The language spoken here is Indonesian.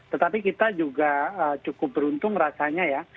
tetapi kita juga cukup beruntung rasanya ya